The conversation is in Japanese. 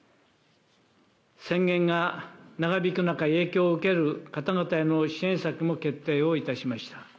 宣言が長引く中、影響を受ける方々への支援策も決定をいたしました。